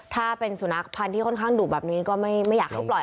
ถ้าเป็นสุนัขพันธ์ที่ค่อนข้างดุแบบนี้ก็ไม่อยากให้ปล่อย